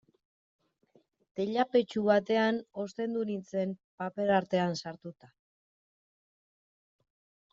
Teilapetxu batean ostendu nintzen, paper artean sartuta.